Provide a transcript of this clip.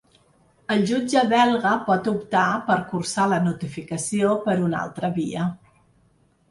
El jutge belga pot optar per cursar la notificació per una altra via.